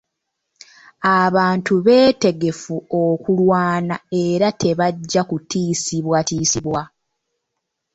Abantu beetegefu okulwana era tebajja kutiisibwatiisibwa.